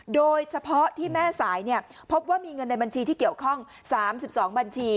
โดยเฉพาะที่แม่สายพบว่ามีเงินในบัญชีที่เกี่ยวข้อง๓๒บัญชี